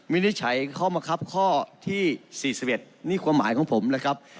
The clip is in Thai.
วินิจฉัยข้อบังคับข้อที่สี่สิบเอ็ดนี่ความหมายของผมนะครับ